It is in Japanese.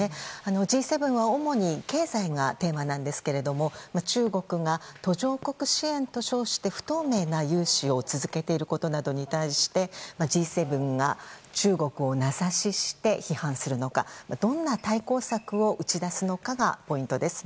Ｇ７は主に経済がテーマなんですが中国が途上国支援と称して不透明な融資を続けていることなどに対してＧ７が中国を名指しして批判するのかどんな対抗策を打ち出すのかがポイントです。